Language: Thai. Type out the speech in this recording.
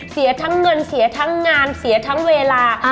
เสียทั้งเงินเสียทั้งงานเสียทั้งเวลา